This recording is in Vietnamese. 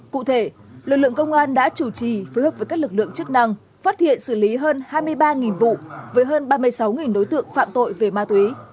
cụ thể lực lượng công an đã chủ trì phối hợp với các lực lượng chức năng phát hiện xử lý hơn hai mươi ba vụ với hơn ba mươi sáu đối tượng phạm tội về ma túy